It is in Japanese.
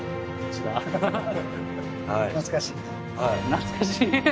懐かしい。